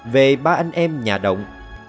về ba anh em nhà động